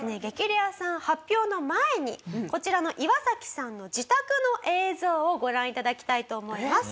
レアさん発表の前にこちらのイワサキさんの自宅の映像をご覧頂きたいと思います。